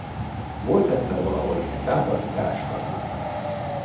Volt egyszer valahol egy rátarti teáskanna.